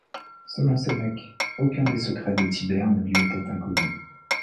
Selon Sénèque, aucun des secrets de Tibère ne lui était inconnu.